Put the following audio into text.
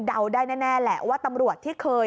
ได้แน่แหละว่าตำรวจที่เคย